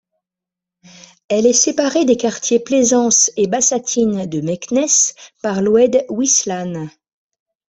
Elle est séparée des quartiers Plaisance et Bassatine de Meknès par l'oued Ouislane.